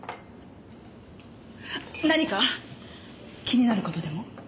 何か気になる事でも？